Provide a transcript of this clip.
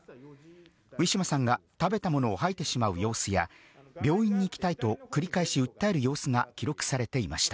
ウィシュマさんが食べたものを吐いてしまう様子や、病院に行きたいと繰り返し訴える様子が記録されていました。